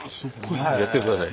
やってください。